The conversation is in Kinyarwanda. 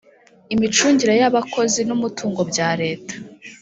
imicungire y’abakozi n’umutungo bya leta